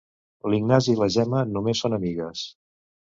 L'Ignasi i la Gemma només són amigues.